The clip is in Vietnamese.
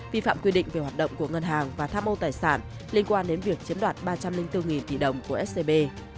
vi phạm quy định về hoạt động của ngân hàng và tham ô tài sản liên quan đến việc chiếm đoạt ba trăm linh bốn tỷ đồng của scb